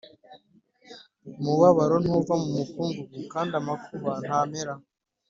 Umubabaro ntuva mumukungugu, kandiamakuba ntamera